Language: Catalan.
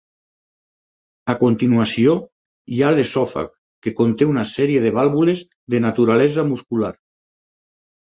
A continuació hi ha l'esòfag que conté una sèrie de vàlvules de naturalesa muscular.